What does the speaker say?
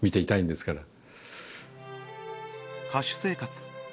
歌手生活